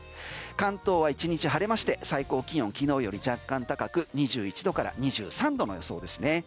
関東は１日晴れまして最高気温、昨日より若干高く２１度から２３度の予想ですね。